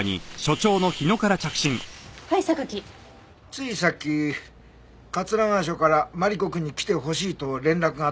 ついさっき桂川署からマリコくんに来てほしいと連絡があったんだけど。